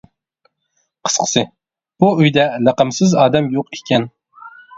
قىسقىسى، بۇ ئۆيدە لەقەم سىز ئادەم يوق ئىكەن.